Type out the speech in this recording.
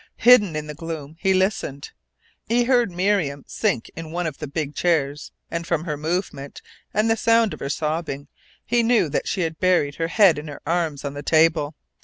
Hidden in the gloom he listened. He heard Miriam sink in one of the big chairs, and from her movement, and the sound of her sobbing, he knew that she had buried her head in her arms on the table.